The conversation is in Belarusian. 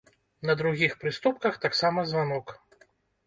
На другіх прыступках таксама званок.